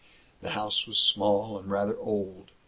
The house was small and rather old.